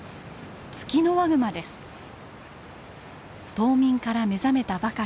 冬眠から目覚めたばかり。